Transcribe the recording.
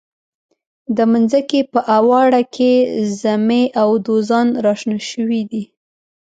د منځکي په اواړه کې زمۍ او دوزان را شنه شوي دي.